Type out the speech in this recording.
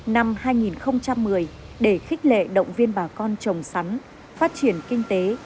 năm hai nghìn một mươi để khích lệ động viên bà con trồng sắn phát triển kinh tế